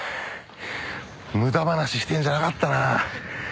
無駄話してんじゃなかったな。